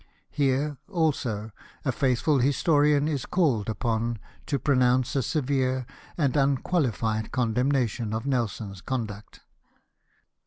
Here, also, a faithful historian is called upon to pronounce a severe and unqualified condem nation of Nelson's conduct.